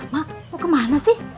mak mau kemana sih